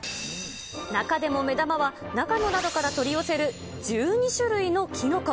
中でも目玉は長野などから取り寄せる１２種類のキノコ。